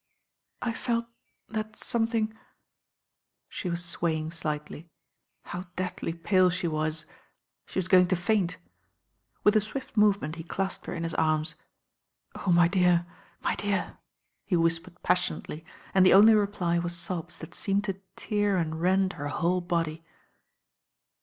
"I felt that something " She was swaying slightly. How deathly pale •!« was. She was going to faint. With a swift movement he clasped her in his arma, "Oh, my dear, my dear I" he whispered passion ately, and the only reply was sobs that seemed pa tear and rend her whole body.